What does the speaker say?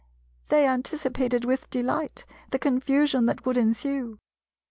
They anticipated with delight the confusion that would ensue.